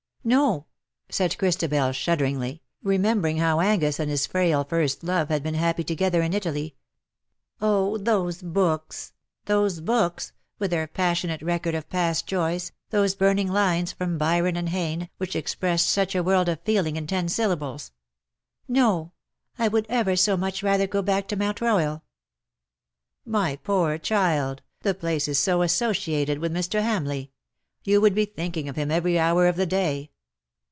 " No/^ said Christabel, shudderingly, remembering how Angus and his frail first love had been happy together in Italy — oh, those books, those books, with their passionate record of past joys, those burning lines from Byron and Heine, which expressed such a world of feeling in ten syllables —^^ No, I would ever so much rather go back to Mount Royal." ^^ My poor child, the place is so associated with Mr. Hamleigh. You would be thinking of him every hour of the day."''